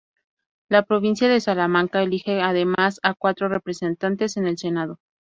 La provincia de Salamanca elige además a cuatro representantes en el Senado.